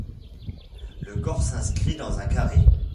Le corps s'inscrit dans un carré.